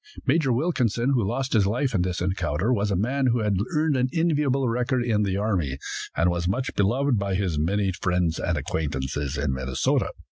Major Wilkinson, who lost his life in this encounter, was a man who had earned an enviable record in the army, and was much beloved by his many friends and acquaintances in Minnesota.